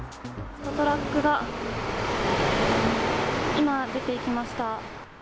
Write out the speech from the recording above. トラックが今出ていきました。